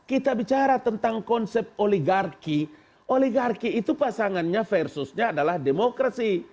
kita bicara tentang konsep oligarki oligarki itu pasangannya versusnya adalah demokrasi